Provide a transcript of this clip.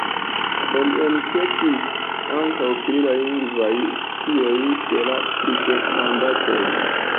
Oni enketis ankaŭ pri la lingvaj scioj de la pridemandatoj.